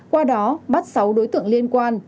qua đó bắt sáu đối tượng liên quan